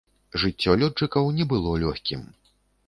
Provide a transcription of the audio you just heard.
Жыццё лётчыкаў не было лёгкім.